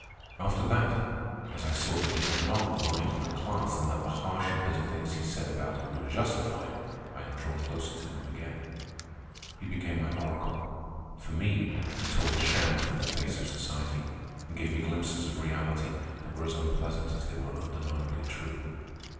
After that, as I saw that he had not maligned my class, and that the harsh and bitter things he said about it were justified, I had drawn closer to him again. He became my oracle. For me he tore the sham from the face of society and gave me glimpses of reality that were as unpleasant as they were undeniably true.